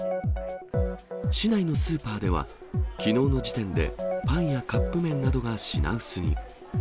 市内のスーパーでは、きのうの時点でパンやカップ麺などが品薄に。